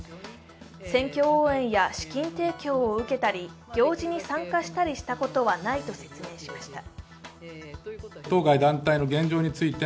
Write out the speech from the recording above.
選挙応援や資金提供を受けたり、行事に参加したりしたことはないと説明しました。